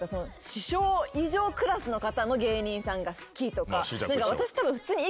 師匠以上クラスの方の芸人さんが好きとか私たぶん普通に。